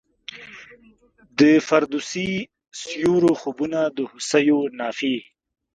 د فردوسي سیورو خوبونه د هوسیو نافي